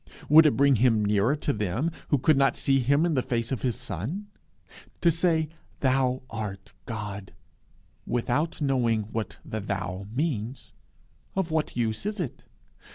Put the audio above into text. Would it bring him nearer to them, who could not see him in the face of his Son? To say Thou art God, without knowing what the Thou means of what use is it?